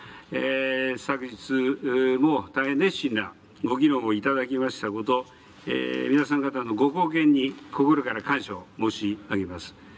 昨日も大変熱心なご議論を頂きましたこと、皆様方のご貢献に心から感謝を申し上げます。